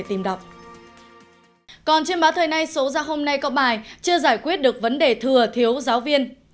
thừa thiếu giáo viên